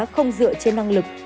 không dựa trên năng lực